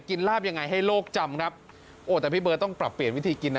ลาบยังไงให้โลกจำครับโอ้แต่พี่เบิร์ตต้องปรับเปลี่ยนวิธีกินนะ